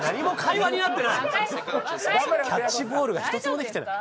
キャッチボールが１つもできてない。